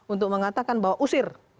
untuk mengatakan bahwa usir